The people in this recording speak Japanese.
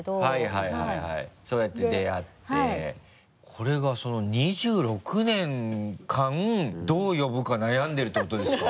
これが２６年間どう呼ぶか悩んでるってことですか？